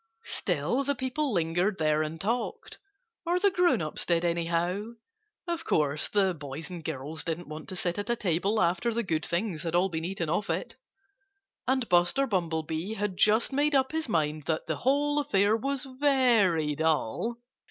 Still the people lingered there and talked or the grown ups did, anyhow (of course the boys and girls didn't want to sit at a table after the good things had all been eaten off it). And Buster Bumblebee had just made up his mind that the whole affair was very dull!